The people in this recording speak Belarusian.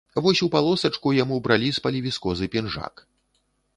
Вось у палосачку яму бралі з палівіскозы пінжак.